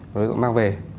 đối tượng mang về